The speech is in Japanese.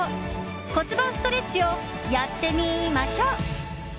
骨盤ストレッチをやってみーましょ！